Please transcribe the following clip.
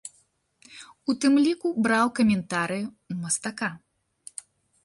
У тым ліку браў каментарыі ў мастака.